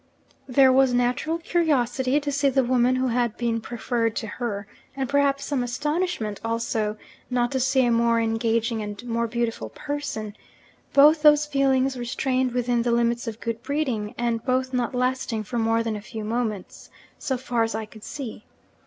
'There was natural curiosity to see the woman who had been preferred to her; and perhaps some astonishment also, not to see a more engaging and more beautiful person; both those feelings restrained within the limits of good breeding, and both not lasting for more than a few moments so far as I could see.